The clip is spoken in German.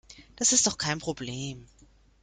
Das ist doch kein Problem.